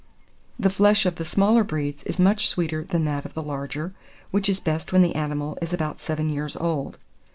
The flesh of the smaller breeds is much sweeter than that of the larger, which is best when the animal is about seven years old.